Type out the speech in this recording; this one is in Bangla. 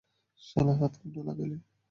শালা হাত কেমনে লাগাইলি?